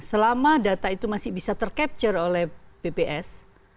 selama data itu masih bisa ter capture oleh ppb